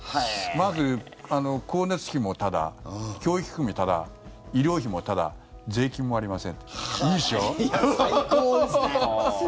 まず、光熱費もタダ教育費もタダ医療費もタダ税金もありません。